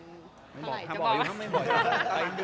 บอกอายุไม่หมด